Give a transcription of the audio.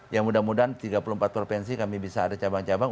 ya mudah mudahan tiga puluh empat provinsi kami bisa ada cabang cabang